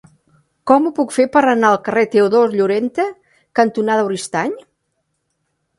Com ho puc fer per anar al carrer Teodor Llorente cantonada Oristany?